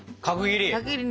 角切り。